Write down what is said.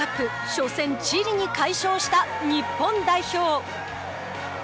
初戦チリに快勝した日本代表。